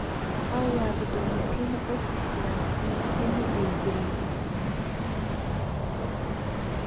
Ao lado do ensino oficial, o ensino livre.